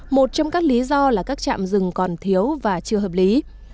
một trong các lý do là các trạm rừng còn thiếu và chưa hợp lý